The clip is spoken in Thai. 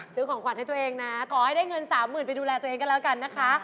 ซื้อของขวัญให้ตัวเองนะขอให้ได้เงินสามหมื่นไปดูแลตัวเองกันแล้วกันนะคะ